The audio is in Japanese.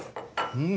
うん！